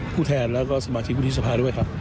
ผู้แทนและก็สมาชิกรุยทภาด้วยค่ะ